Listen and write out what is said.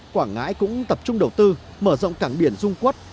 quảng ngãi cũng tập trung đầu tư mở rộng cảng biển dung quốc